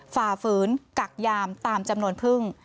ฝ่าฝืนกักยามตามจำนวนพึ่ง